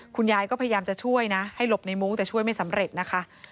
คุณยายก็พยายามจะช่วยนะให้หลบในมุ้งแต่ช่วยไม่สำเร็จนะคะ